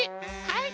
はい。